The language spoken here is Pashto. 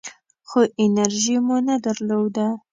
خو انرژي مو نه درلوده .